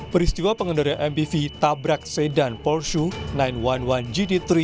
peristiwa pengendara mpv tabrak sedan porsche sembilan ratus sebelas gt tiga